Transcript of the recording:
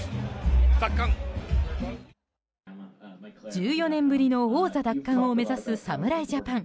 １４年ぶりの王座奪還を目指す侍ジャパン。